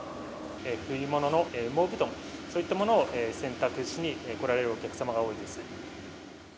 冬物の羽毛布団、そういったものを洗濯しに来られるお客様が多いです。